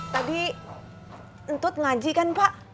tadi entut ngaji kan pak